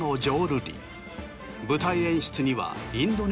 舞台演出には。